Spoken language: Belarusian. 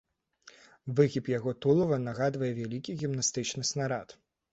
Выгіб яго тулава нагадвае вялікі гімнастычны снарад.